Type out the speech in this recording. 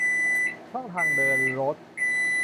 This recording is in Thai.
ช่องทางเดินรถ